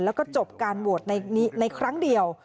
แล้วก็จบการโหวตในครั้งเดียว